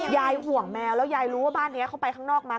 ห่วงแมวแล้วยายรู้ว่าบ้านนี้เขาไปข้างนอกมา